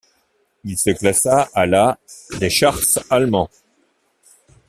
Il se classa à la des charts allemands.